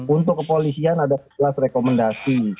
untuk kepolisian ada sebelas rekomendasi